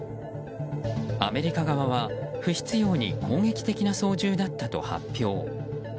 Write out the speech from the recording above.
アメリカ側は、不必要に攻撃的な操縦だったと発表。